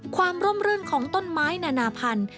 ความร่มรื่นของต้นไม้นานาพันธุ์